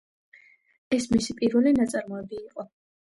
ეს მისი პირველი ნაწარმოები იყო.